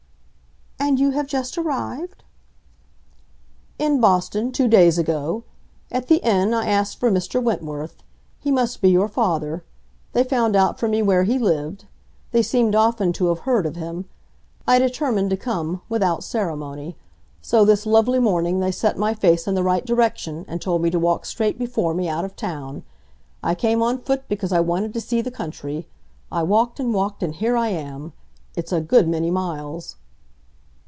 "And you have just arrived?" "In Boston, two days ago. At the inn I asked for Mr. Wentworth. He must be your father. They found out for me where he lived; they seemed often to have heard of him. I determined to come, without ceremony. So, this lovely morning, they set my face in the right direction, and told me to walk straight before me, out of town. I came on foot because I wanted to see the country. I walked and walked, and here I am! It's a good many miles."